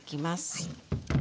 はい。